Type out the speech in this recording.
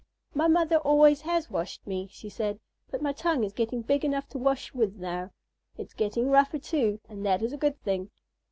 "My mother always has washed me," she said, "but my tongue is getting big enough to wash with now. It is getting rougher, too, and that is a good thing.